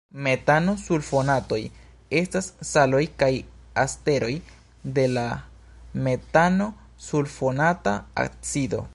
Metano-sulfonatoj estas saloj kaj esteroj de la metano-sulfonata acido.